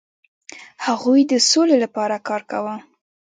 هغوی د سولې لپاره کار کاوه.